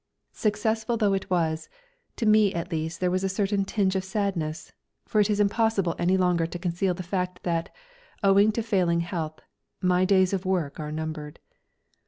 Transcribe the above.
Successful though it was, to me at least there was a certain tinge of sadness, for it is impossible any longer to conceal the fact that, owing to failing health, my days of work are numbered.